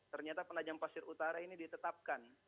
ternyata penajam pasir utara ini ditetapkan